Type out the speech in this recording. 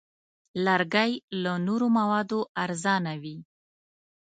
لرګی له نورو موادو ارزانه وي.